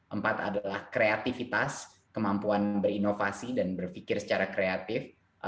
empat adalah kreativitas kemampuan berinovasi dan berpikir secara kreatif